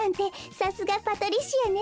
さすがパトリシアね。